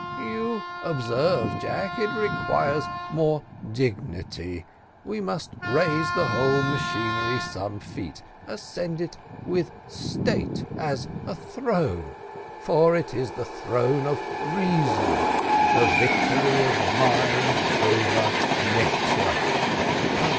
You observe, Jack, it requires more dignity: we must raise the whole machinery some feet, ascend it with state as a throne, for it is the throne of reason, the victory of mind over nature."